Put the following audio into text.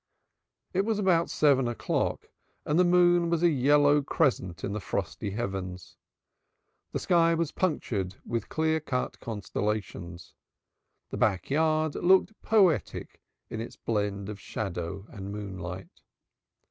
It was about seven o'clock and the moon was a yellow crescent in the frosty heavens. The sky was punctured with clear cut constellations. The back yard looked poetic with its blend of shadow and moonlight.